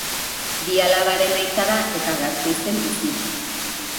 Bi alabaren aita da eta Gasteizen bizi da.